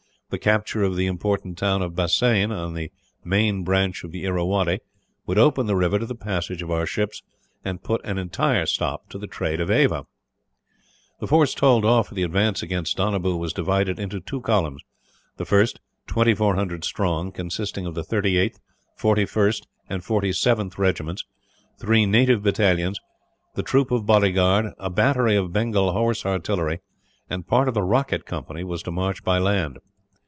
The capture of the important town of Bassein, on the main branch of the Irrawaddy, would open the river to the passage of our ships, and put an entire stop to the trade of Ava. The force told off for the advance against Donabew was divided into two columns. The first, 2400 strong consisting of the 38th, 41st, and 47th Regiments, three native battalions, the troop of bodyguard; a battery of Bengal horse artillery, and part of the rocket company was to march by land.